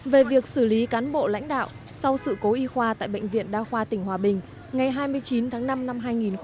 về việc xử lý cán bộ lãnh đạo sau sự cố y khoa tại bệnh viện đa khoa tỉnh hòa bình ngày hai mươi chín tháng năm năm hai nghìn một mươi chín